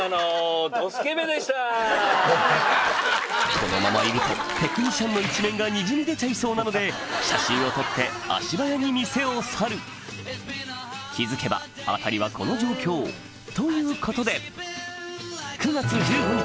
このままいるとテクニシャンの一面がにじみ出ちゃいそうなので写真を撮って足早に店を去る気付けば辺りはこの状況ということで９月１５日